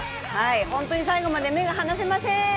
本当に最後まで目が離せません。